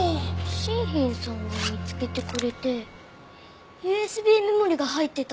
シンヒンさんが見つけてくれてＵＳＢメモリが入ってた。